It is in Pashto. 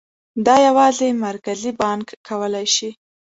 دا یوازې مرکزي بانک کولای شي.